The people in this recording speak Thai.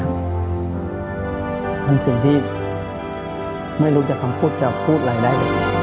มันน่ะครับมันสิ่งที่ไม่รู้จะคำพูดจะพูดอะไรได้